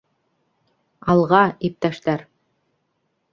Алға, иптәштәр!